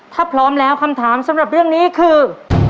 ถ้าพร้อมแล้วคำถามสำหรับเรื่องนี้คือ